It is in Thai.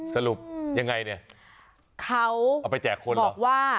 สรุปยังไงเนี่ยเขาเอาไปแจกคนหรอกว่า